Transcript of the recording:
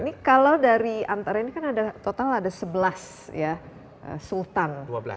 ini kalau dari antara ini kan ada total ada sebelas ya sultan